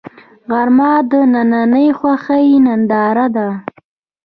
غرمه د دنننۍ خوښۍ ننداره ده